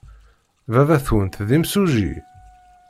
Baba-twent d imsujji?